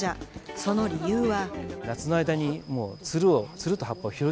その理由は。